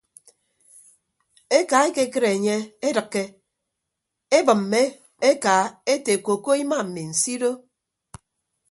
Eka ekekịt enye edịkke ebịmme aka ete koko ima mi nsido.